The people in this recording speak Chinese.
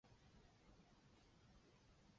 朗镇人口变化图示